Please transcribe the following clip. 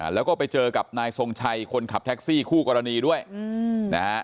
แล้วก็ไปเจอกับนายทรงชัยคนขับแท็กซี่คู่กรณีด้วยนะฮะ